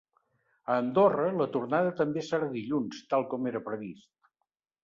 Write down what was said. A Andorra, la tornada també serà dilluns, tal com era previst.